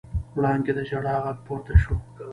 وړانګې د ژړا غږ پورته شو.